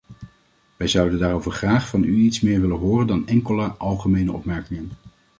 Wij zouden daarover graag van u iets meer willen horen dan enkele algemene opmerkingen.